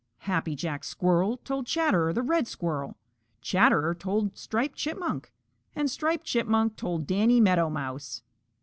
Happy Jack Squirrel told Chatterer the Red Squirrel; Chatterer told Striped Chipmunk, and Striped Chipmunk told Danny Meadow Mouse.